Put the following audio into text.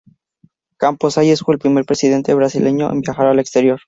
Campos Salles fue el primer presidente brasileño en viajar al exterior.